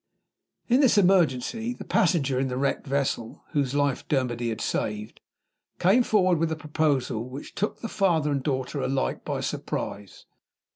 In this emergency, the passenger in the wrecked vessel (whose life Dermody had saved) came forward with a proposal which took father and daughter alike by surprise.